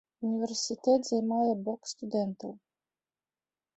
Універсітэт займае бок студэнтаў.